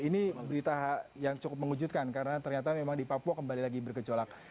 ini berita yang cukup mengejutkan karena ternyata memang di papua kembali lagi bergejolak